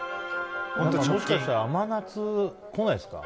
もしかしたら甘夏、来ないですか？